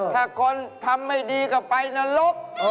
ถ้าคนทำไม่ดีก็ไปนรก